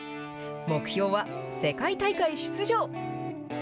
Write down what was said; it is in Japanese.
目標は世界大会出場。